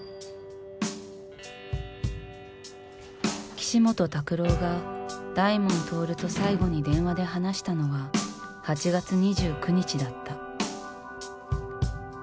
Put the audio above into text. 岸本拓朗が大門亨と最後に電話で話したのは８月２９日だった。